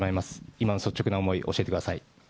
今の率直な思い、教えてください。